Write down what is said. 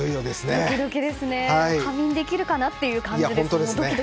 ドキドキしすぎて仮眠できるかなという感じです。